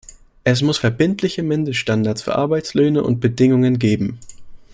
Es muss verbindliche Mindeststandards für Arbeitslöhne und -bedingungen geben.